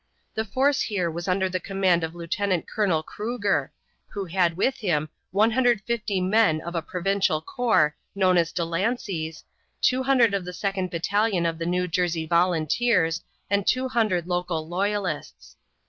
The force here was under the command of Lieutenant Colonel Cruger, who had with him 150 men of a provincial corps known as Delancey's, 200 of the second battalion of the New Jersey volunteers, and 200 local loyalists.